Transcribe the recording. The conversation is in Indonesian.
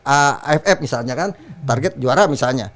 aff misalnya kan target juara misalnya